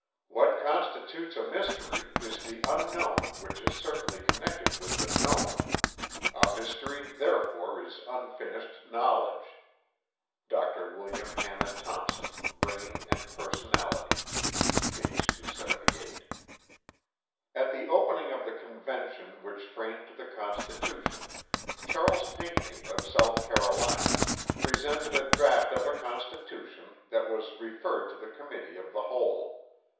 "What constitutes a mystery is the unknown which is certainly connected with the known. A mystery therefore is unfinished knowledge." [Footnote 1: Dr. William Hanna Thomson, Brain and Personality, p. 278.] At the opening of the Convention which framed the Constitution, Charles Pinckney of South Carolina presented a draught of a constitution that was referred to the Committee of the Whole.